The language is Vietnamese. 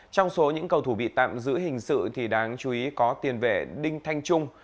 trong số những cầu thủ bị tạm giữ hình sự thì đáng chú ý có tiền vệ đinh thanh trung